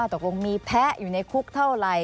ตกลงมีแพ้อยู่ในคุกเท่าไหร่